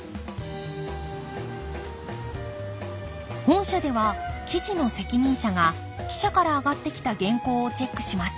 本社では記事の責任者が記者から上がってきた原稿をチェックします